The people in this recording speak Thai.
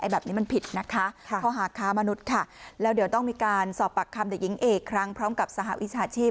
แบบนี้มันผิดนะคะข้อหาค้ามนุษย์ค่ะแล้วเดี๋ยวต้องมีการสอบปากคำเด็กหญิงเอกครั้งพร้อมกับสหวิชาชีพ